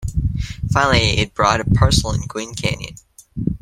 Finally, it bought a parcel in Gwin Canyon.